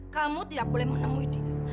kamu tidak boleh menemui dia